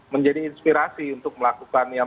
menjadi inspirasi untuk melakukan yang